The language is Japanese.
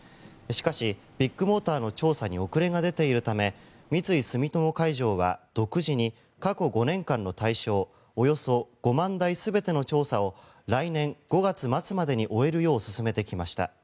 しかし、ビッグモーターの調査に遅れが出ているため三井住友海上は独自に過去５年間の対象およそ５万台全ての調査を来年５月末までに終えるよう進めてきました。